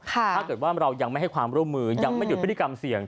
ถ้าเกิดว่าเรายังไม่ให้ความร่วมมือยังไม่หยุดพฤติกรรมเสี่ยง